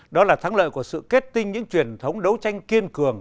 đó là thắng lợi của sự kết tinh những truyền thống đấu tranh kiên cường